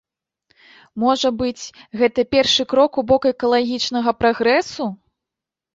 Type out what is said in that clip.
Можа быць, гэта першы крок у бок экалагічнага прагрэсу?